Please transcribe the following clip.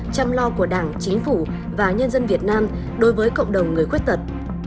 chăm lo của đảng chính phủ và nhân dân việt nam đối với cộng đồng người khuyết tật